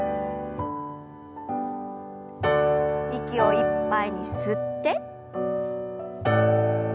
息をいっぱいに吸って。